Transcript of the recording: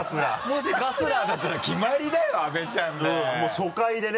もしカスラーだったら決まりだよ阿部ちゃんで。